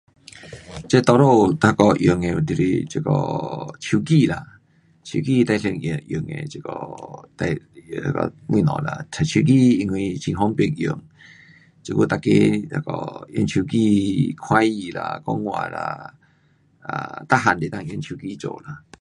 um 这多数那个用的就是这个手机啦。手机最常用的这个电的东西啦，um 手机因为很方便用。这久每个那个用手机来看戏啦，讲话啦 um 全部都能够用手机做啦。